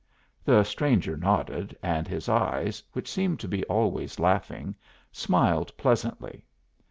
The stranger nodded, and his eyes, which seemed to be always laughing, smiled pleasantly.